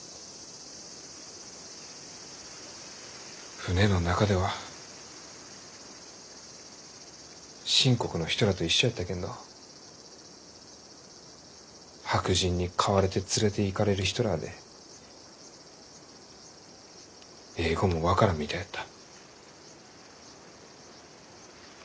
船の中では清国の人らあと一緒やったけんど白人に買われて連れていかれる人らあで英語も分からんみたいやった。